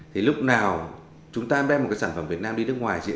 thì lúc nào chúng ta đem một cái sản phẩm việt nam đi nước ngoài